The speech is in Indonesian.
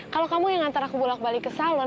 kalau kamu yang ngantar aku bolak balik ke salon